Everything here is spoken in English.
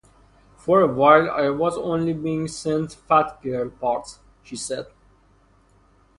"For a while I was only being sent fat-girl parts", she said.